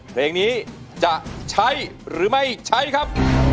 เพลงนี้จะใช้หรือไม่ใช้ครับ